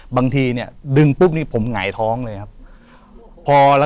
บางทีเนี่ยดึงปุ๊ปผมหงายท้องเลยครับ